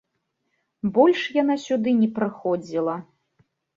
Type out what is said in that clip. Больш яна сюды не прыходзіла.